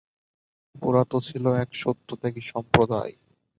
ওরা তো ছিল এক সত্যত্যাগী সম্প্রদায়!